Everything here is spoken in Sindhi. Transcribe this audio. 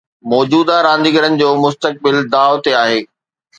موجوده رانديگرن جو مستقبل داء تي آهي